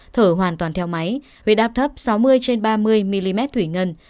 thở hoàn toàn theo máy huyết áp thấp sáu mươi trên ba mươi mm thủy ngân